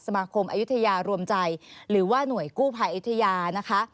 มาคมอายุทยารวมใจหรือว่าหน่วยกู้ภัยอยุธยานะคะ